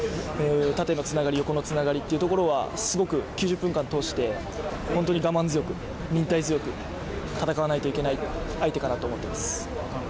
縦のつながり、横のつながりっていうところはすごく９０分間通して本当に我慢強く、忍耐強く戦わないといけない相手かなと思っています。